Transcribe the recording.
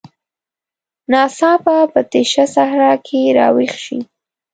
ناڅاپه په تشه صحرا کې راویښ شي.